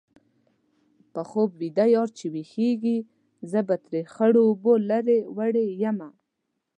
په خوب ویده یار چې ويښېږي-زه به ترې خړو اوبو لرې وړې یمه